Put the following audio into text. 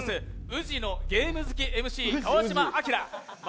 宇治のゲーム好きＭＣ・川島明。